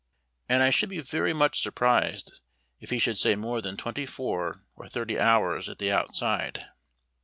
And I should be very much surprised if he should say more than twenty four or thirty hours, at the outside.